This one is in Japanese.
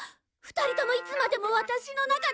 ２人ともいつまでもワタシの中に。